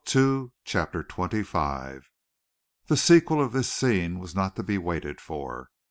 CHAPTER XXV The sequel of this scene was not to be waited for.